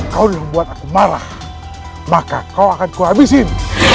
kau membuat aku marah maka kau akan kuhabisin